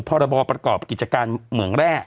พรบประกอบกิจการเมืองแร่